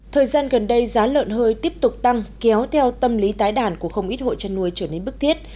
thời gian gần đây giá lợn hơi tiếp tục tăng kéo theo tâm lý tái đàn của không ít hộ chăn nuôi trở nên bức thiết